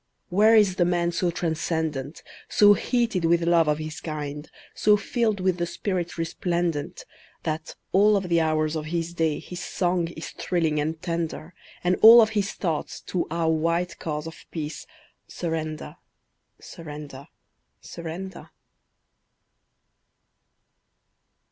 Where is the man so transcendent, So heated with love of his kind, so filled with the spirit resplendent That all of the hours of his day his song is thrilling and tender, And all of his thoughts to our white cause of peace Surrender, surrender, surrender?